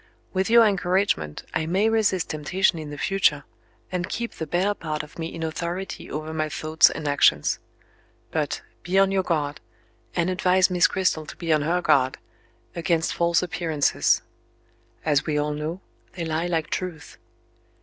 With your encouragement, I may resist temptation in the future, and keep the better part of me in authority over my thoughts and actions. But, be on your guard, and advise Miss Cristel to be on her guard, against false appearances. As we all know, they lie like truth.